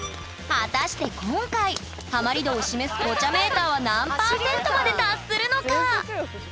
果たして今回ハマり度を示すポチャメーターは何％まで達するのか？